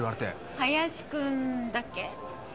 林君だっけ？